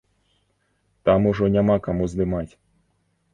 Там ужо няма каму здымаць!